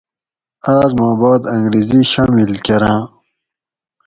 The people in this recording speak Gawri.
آۤس ما باد انگریزی شامل کۤراۤں۔